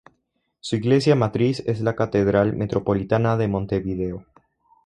Su iglesia matriz es la Catedral Metropolitana de Montevideo.